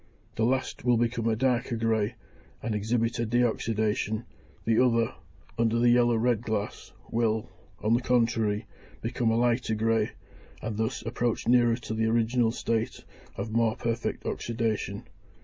The last will become a darker grey, and exhibit a de oxydation; the other, under the yellow red glass, will, on the contrary, become a lighter grey, and thus approach nearer to the original state of more perfect oxydation.